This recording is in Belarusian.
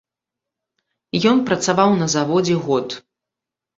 Ён працаваў на заводзе год.